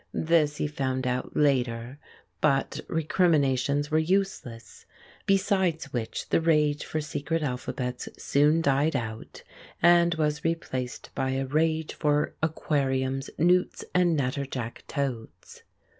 This he found out later; but recriminations were useless; besides which the rage for secret alphabets soon died out and was replaced by a rage for aquariums, newts, and natterjack toads.